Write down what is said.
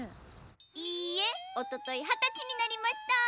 いえおととい二十歳になりました！